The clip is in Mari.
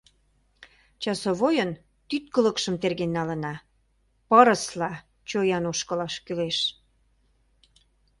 Часовойын тӱткылыкшым терген налына, пырысла чоян ошкылаш кӱлеш.